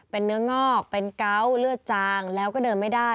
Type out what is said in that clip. เป็นเนื้องอกเป็นเกาเลือดจางแล้วก็เดินไม่ได้